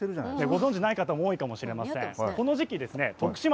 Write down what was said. ご存じない方も多いかもしれませんね。